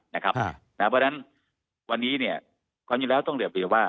เพราะฉะนั้นวันนี้ความจริงแล้วต้องเรียนว่า